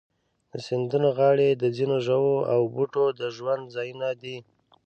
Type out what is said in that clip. د سیندونو غاړې د ځینو ژوو او بوټو د ژوند ځایونه دي.